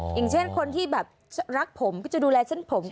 อย่างเช่นคนที่แบบรักผมก็จะดูแลเส้นผม